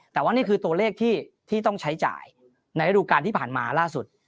แต่ว่านี่คือตัวเลขที่ต้องใช้จ่ายในระดูการที่ผ่านมาล่าสุด